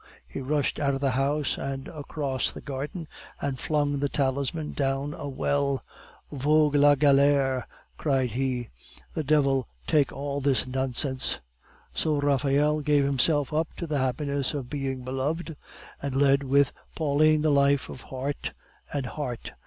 He rushed out of the house and across the garden, and flung the talisman down a well. "Vogue la galere," cried he. "The devil take all this nonsense." So Raphael gave himself up to the happiness of being beloved, and led with Pauline the life of heart and heart.